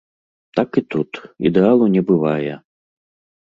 Так і тут, ідэалу не бывае.